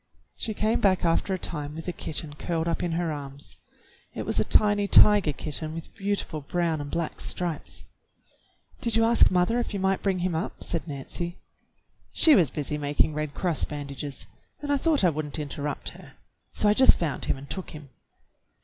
She came back after a time with the kitten curled up in her arms. It was a tiny tiger kitten with beauti ful brown and black stripes. "Did you ask mother if you might bring him up?" said Nancy. 20 THE BLUE AUNT "She was busy making Red Cross bandages, and I thought I would n't interrupt her; so I just found him and took him.